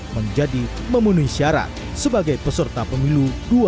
menjadi memenuhi syarat sebagai peserta pemilu dua ribu dua puluh